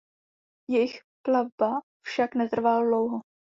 Jejich plavba však netrvala dlouho.